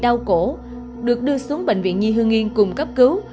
chị tươi bị đau cổ được đưa xuống bệnh viện nhi hương yên cùng cấp cứu